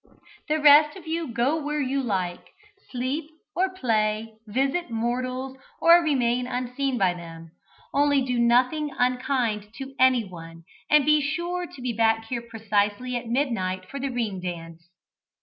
"The rest of you go where you like; sleep or play, visit mortals, or remain unseen by them, only do nothing unkind to anyone, and be sure to be back here precisely at midnight for the ring dance."